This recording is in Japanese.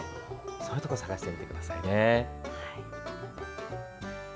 そういうところを探してみてくださいね。